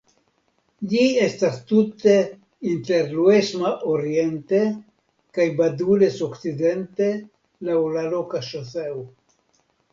Ĝi estas tute inter Luesma oriente kaj Badules okcidente laŭ la loka ŝoseo.